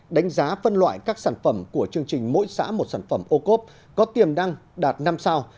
đánh giá phân loại các sản phẩm của chương trình mỗi xã một sản phẩm ô cốp có tiềm năng đạt năm sao